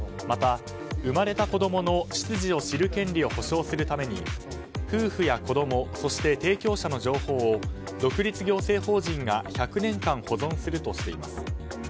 また、生まれた子供の出自を保障するために夫婦や子供そして提供者の情報を独立行政法人が１００年間保存するとしています。